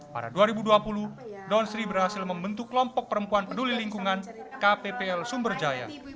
pada dua ribu dua puluh donsri berhasil membentuk kelompok perempuan peduli lingkungan kppl sumberjaya